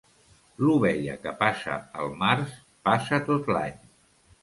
L'ovella que passa el març passa tot l'any.